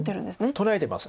取られてます。